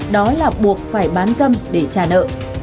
đó là buộc phải bán dâm để trả nợ